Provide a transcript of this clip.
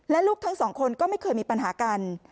และลูกทั้งสองคนก็ไม่เคยมีปัญหากัน